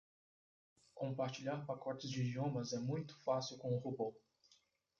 Compartilhar pacotes de idiomas é muito fácil com o robô.